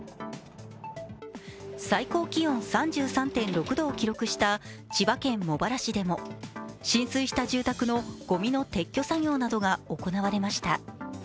最高気温３３．６度を記録した千葉県茂原市でも浸水した住宅のごみの撤去作業などが行われました。